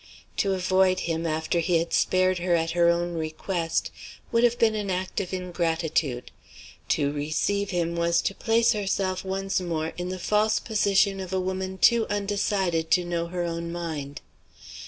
To avoid him, after he had spared her at her own request, would have been an act of ingratitude: to receive him was to place herself once more in the false position of a woman too undecided to know her own mind.